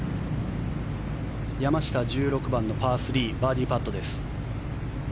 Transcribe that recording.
山下、１６番のパー３バーディーパットです。